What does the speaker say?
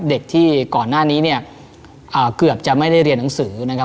เด็กที่ก่อนหน้านี้เนี่ยเกือบจะไม่ได้เรียนหนังสือนะครับ